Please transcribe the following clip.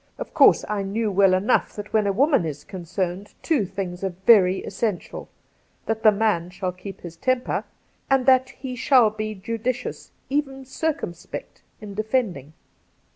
Of course I knew well enough that when a woman is concerned two things are veiy essential — that the man shall keep his temper, and that he shall be judicious, even circumspect, in defending.